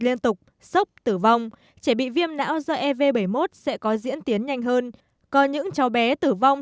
liên tục sốc tử vong trẻ bị viêm não do ev bảy mươi một sẽ có diễn tiến nhanh hơn có những cháu bé tử vong